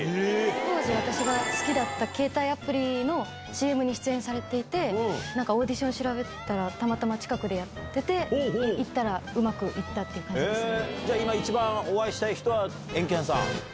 当時、私が好きだった携帯アプリのＣＭに出演されていて、なんかオーディション調べたら、たまたま近くでやってて、行ったら、うまくいじゃあ、今一番お会いしたい人はエンケンさん？